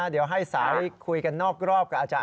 เดี๋ยวให้สายคุยกันนอกรอบกับอาจารย